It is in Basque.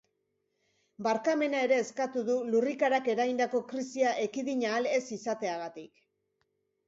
Barkamena ere eskatu du lurrikarak eragindako krisia ekidin ahal ez izateagatik.